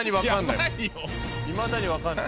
いまだに分かんない。